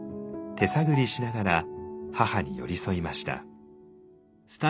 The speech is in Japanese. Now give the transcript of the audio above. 手探りしながら母に寄り添いました。